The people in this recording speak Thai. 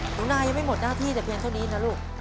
ของนายยังไม่หมดหน้าที่แต่เพียงเท่านี้นะลูก